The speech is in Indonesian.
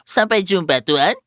sampai jumpa tuan